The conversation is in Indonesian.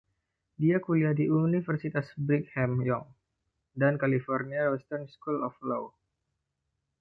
Dia kuliah di Universitas Brigham Young dan California Western School of Law.